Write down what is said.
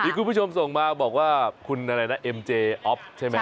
อีกคุณผู้ชมส่งมาบอกว่าคุณเอ็มเจอ๊อฟใช่ไหม